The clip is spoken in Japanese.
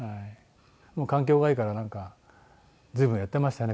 環境がいいからなんか随分やってましたね